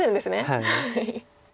はい。